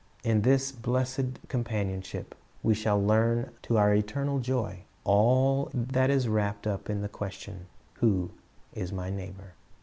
"^ In this blessed companionship we shall learn, to our eternal joy, all that is wrapped up in the question, "Who is my neighbor?"